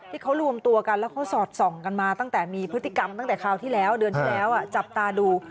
ที่เขารวมตัวกันแล้วเขาสอดส่องกันมาตั้งแต่มีพฤติกรรมตั้งแต่คราวที่แล้วเดือนที่แล้วจับตาดู